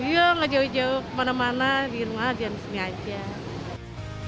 yuh gak jauh jauh kemana mana di rumah di sini aja